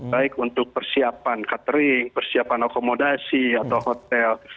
baik untuk persiapan catering persiapan akomodasi atau hotel